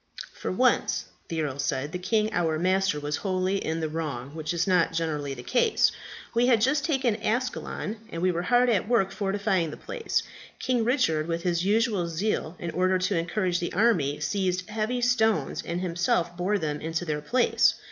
"For once," the earl said, "the king our master was wholly in the wrong, which is not generally the case. We had just taken Ascalon, and were hard at work fortifying the place. King Richard with his usual zeal, in order to encourage the army, seized heavy stones and himself bore them into their place.